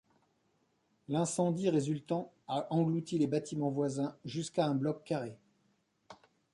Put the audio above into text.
L'incendie résultant a englouti les bâtiments voisins jusqu'à un bloc carré.